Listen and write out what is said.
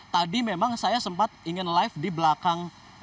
tadi memang saya sempat ingin live di belakang